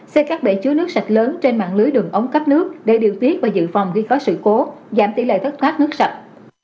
xây các bể chứa nước sạch lớn trên mạng lưới đường ống cấp nước để điều tiết và dự phòng khi có sự cố giảm tỷ lệ thất thoát nước sạch